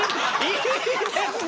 いいですね！